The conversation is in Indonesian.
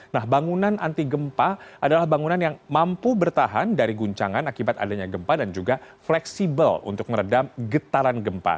nah bangunan anti gempa adalah bangunan yang mampu bertahan dari guncangan akibat adanya gempa dan juga fleksibel untuk meredam getaran gempa